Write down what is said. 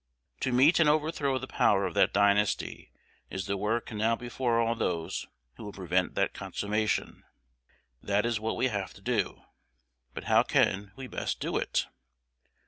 To meet and overthrow the power of that dynasty is the work now before all those who would prevent that consummation. That is what we have to do. But how can we best do it?